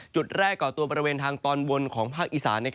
จุดแรกก่อตัวบริเวณทางตอนบนของภาคอีสาน